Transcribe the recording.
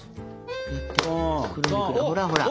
ほらほら。